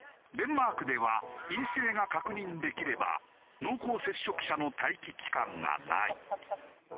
デンマークでは陰性が確認できれば濃厚接触者の待機期間がない。